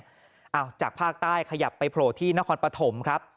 อ้าวจากภาคใต้ขยับไปโผล่ที่นครปฐมครับ